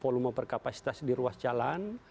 volume perkapasitas di ruas jalan